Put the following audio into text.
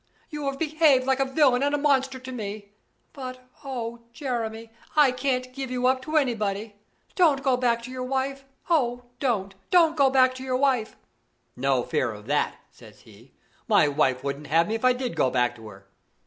'You have behaved like a villain and a monster to me but oh, Jemmy, I can't give you up to anybody! Don't go back to your wife! Oh, don't, don't go back to your wife!' 'No fear of that,' says he. 'My wife wouldn't have me if I did go back to her.